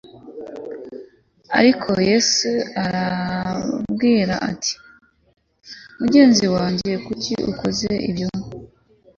ariko yesu aramubwira ati “ mugenzi wanjye kuki ukoze ibyo